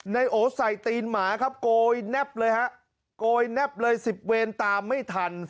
นายโอ้ทใส่ตีนหมาโกยแน็บเลย๑๐เวนตามไม่ทัน